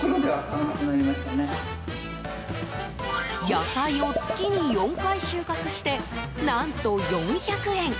野菜を月に４回収穫して何と４００円。